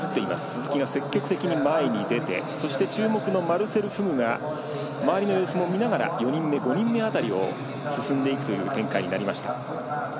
鈴木が積極的に前に出てそして、注目のマルセル・フグが周りの様子を見ながら４人目、５人目辺りを進んでいくという展開になりました。